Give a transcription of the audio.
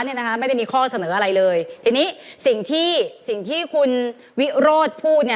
แต่ว่ามันไม่ได้เกี่ยวกับปัจจุบันนี้